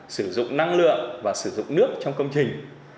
sử dụng năng lượng và sử dụng nước trong công trình